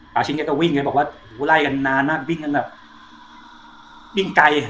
ชิ้นแกก็วิ่งไงบอกว่าไล่กันนานมากวิ่งกันแบบวิ่งไกล